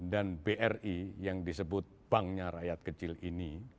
dan bri yang disebut banknya rakyat kecil ini